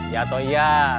ya atau iya